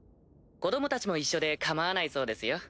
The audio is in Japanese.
子供たちも一緒で構わないそうですよ。